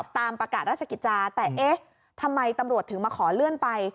ตามประกาศราชกิจจาแต่เอ๊ะทำไมตำรวจถึงมาขอเลื่อนไป